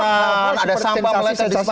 ada sampah meletak di sepatunya